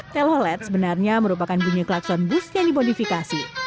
telolet sebenarnya merupakan bunyi klakson bus yang dimodifikasi